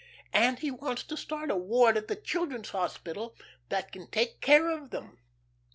And he wants to start a ward at the Children's Hospital, that can take care of them.